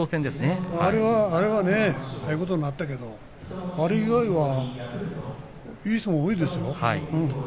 あれはああいうことになったけれど、あれ以外はいい相撲多いですよ。